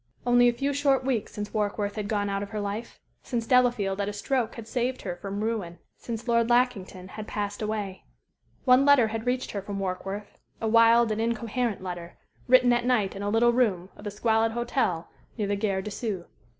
Only a few short weeks since Warkworth had gone out of her life since Delafield at a stroke had saved her from ruin since Lord Lackington had passed away. One letter had reached her from Warkworth, a wild and incoherent letter, written at night in a little room of a squalid hotel near the Gare de Sceaux.